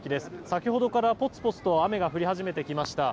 先ほどからぽつぽつと雨が降り始めてきました。